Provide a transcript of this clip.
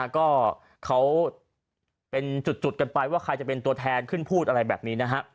ก็เขาเป็นจุดกันไปว่าใครจะเป็นตัวแทนขึ้นพูดอะไรแบบนี้นะฮะ